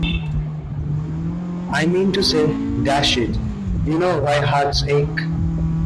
I mean to say — dash it, you know why hearts ache!